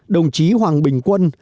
đồng chí hoàng bình quân